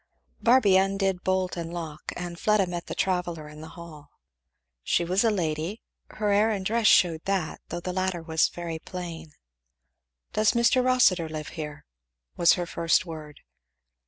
Barby undid bolt and lock and Fleda met the traveller in the hall. She was a lady; her air and dress shewed that, though the latter was very plain. "Does Mr. Rossitur live here?" was her first word.